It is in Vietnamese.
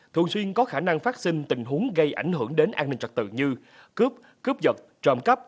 thường xuyên có khả năng phát sinh tình huống gây ảnh hưởng đến an ninh trật tự như cướp cướp vật trộm cắp